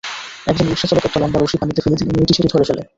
একজন রিকশাচালক একটা লম্বা রশি পানিতে ফেলে দিলে মেয়েটি সেটি ধরে ফেলে।